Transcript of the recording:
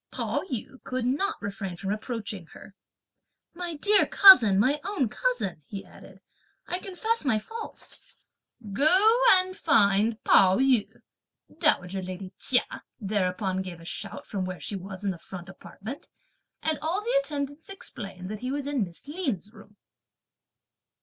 Pao yü could not refrain from approaching her. "My dear cousin, my own cousin," he added, "I confess my fault!" "Go and find Pao yü!" dowager lady Chia thereupon gave a shout from where she was in the front apartment, and all the attendants explained that he was in Miss Lin's room.